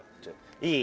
いい？